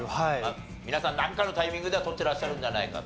皆さんなんかのタイミングでは撮ってらっしゃるんじゃないかと。